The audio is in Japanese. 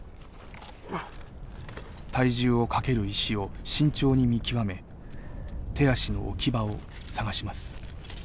体重をかける石を慎重に見極め手足の置き場を探します。